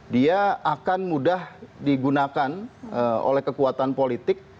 dia akan mudah digunakan oleh kekuatan politik